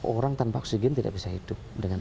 orang tanpa oksigen tidak bisa hidup dengan